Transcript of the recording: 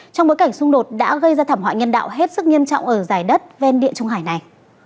trong bối cảnh xung đột đã gây ra thảm họa nhân đạo hết sức nghiêm trọng ở giải đất ven địa trung hải này